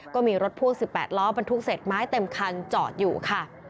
ก็มีรถพ่วง๑๘ล้อบรรทุกเศษไม้เต็มคันจอดอยู่ค่ะ